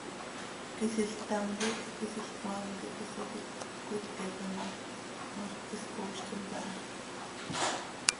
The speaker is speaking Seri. Quisiil ctam quij quisiil cmaam quij isoj iic cöitqueepe ma, cmaax pti scooztim caha.